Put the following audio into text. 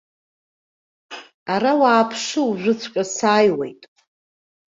Ара уааԥшы, уажәыҵәҟьа сааиуеит.